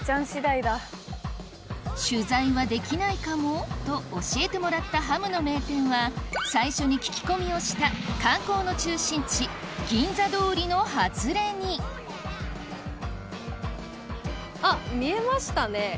取材はできないかもと教えてもらったハムの名店は最初に聞き込みをした観光の中心地銀座通りの外れにあっ見えましたね